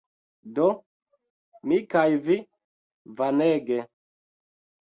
Do, mi kaj vi Vanege